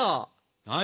何？